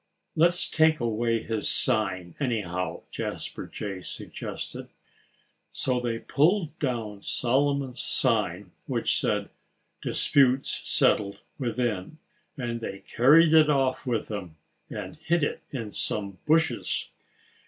"Let's take away his sign, anyhow!" Jasper Jay suggested. So they pulled down Solomon's sign, which said "Disputes Settled Within," and they carried it off with them and hid it in some bushes.